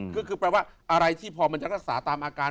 คือแปลว่าอะไรที่พอมันจะรักษาตามอาการ